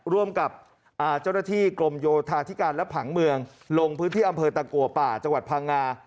ร่วมกับเจ้าหน้าที่กรมโยธาธิการและผังเมืองลงพื้นที่อำเภอตะกัวป่าจังหวัดพังงา